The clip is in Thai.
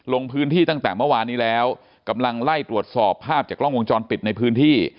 ลงพื้นที่ตั้งแต่เมื่อวานนี้แล้วกำลังไล่ตรวจสอบภาพจากกล้องวงจรปิดในพื้นที่